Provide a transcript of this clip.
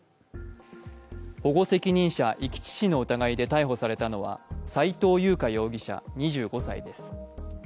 保護責任者遺棄致死の疑いで逮捕されたのは斉藤優花容疑者、２５歳です。